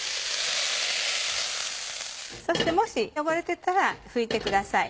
そしてもし汚れてたら拭いてください。